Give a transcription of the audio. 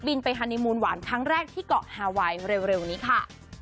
ไปฮานีมูลหวานครั้งแรกที่เกาะฮาไวเร็วนี้ค่ะ